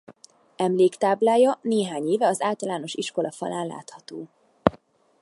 Emléktáblája néhány éve az általános iskola falán látható.